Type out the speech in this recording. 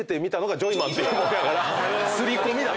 刷り込みだ。